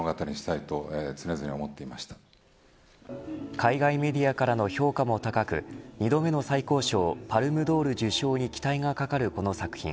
海外メディアからの評価も高く２度目の最高賞パルム・ドール受賞に期待がかかるこの作品。